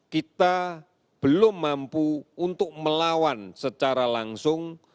kita belum mampu untuk melawan secara langsung